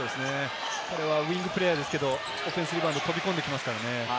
彼はウイングプレーヤーですけれど、オフェンスも飛び込んできますからね。